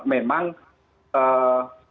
memang pramethodologi penelitian kesehatan